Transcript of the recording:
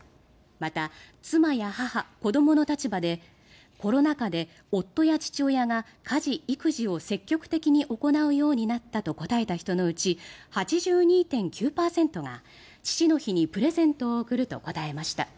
また、妻や母、子どもの立場でコロナ禍で夫や父親が家事・育児を積極的に行うようになったと答えた人のうち８２．９％が父の日にプレゼントを贈ると答えました。